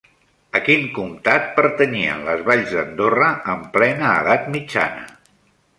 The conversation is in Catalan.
A quin comptat pertanyien les valls d'Andorra en plena edat mitjana?